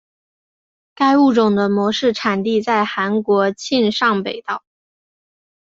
该物种的模式产地在韩国庆尚北道。